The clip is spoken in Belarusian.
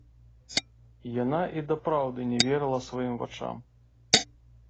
Яна і дапраўды не верыла сваім вачам.